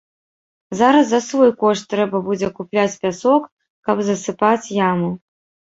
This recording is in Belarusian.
Зараз за свой кошт трэба будзе купляць пясок, каб засыпаць яму.